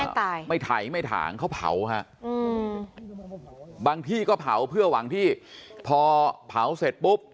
ตายไม่ไถไม่ถางเขาเผาฮะอืมบางที่ก็เผาเพื่อหวังที่พอเผาเสร็จปุ๊บ